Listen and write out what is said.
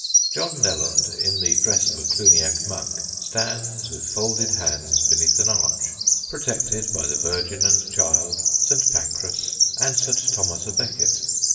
John Nelond, in the dress of a Cluniac monk, stands with folded hands beneath an arch, protected by the Virgin and Child, St. Pancras, and St. Thomas à Becket.